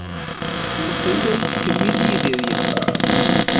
Maɣef ay la yettkemmil Yidir yeɣɣar?